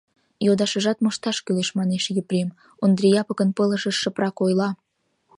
— Йодашыжат мошташ кӱлеш, — манеш Епрем, Ондри Япыкын пылышыш шыпрак ойла.